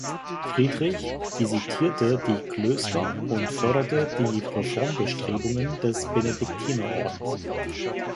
Friedrich visitierte die Klöster und förderte die Reformbestrebungen des Benediktinerordens.